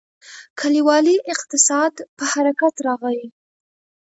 کلیوالي اقتصاد په حرکت راغی.